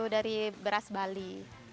dan juga beras bali